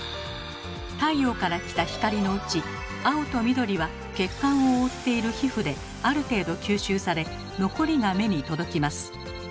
太陽から来た光のうち青と緑は血管を覆っている皮膚である程度吸収され残りが目に届きます。